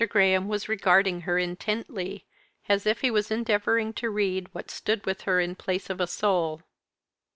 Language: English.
Graham was regarding her intently, as if he was endeavouring to read what stood with her in the place of a soul.